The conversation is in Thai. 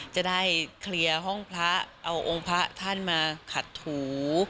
จะได้เคลียร์ห้องพระเอาองค์พระท่านมาขัดถู